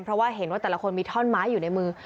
เพราะว่าเห็นว่าแต่ละคนมีท่อนไม้อยู่ในมือ